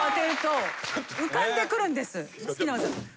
好きな技。